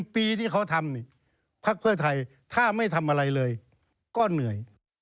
ปีที่เขาทำพักเพื่อไทยถ้าไม่ทำอะไรเลยก็เหนื่อย